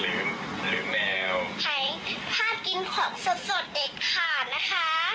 เพราะแมวส่วนมากร้อยทางร้อยจะมีโคโรนาติดอยู่แต่คนละสายวัน